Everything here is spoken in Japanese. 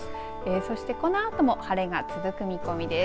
そして、このあとも晴れが続く見込みです。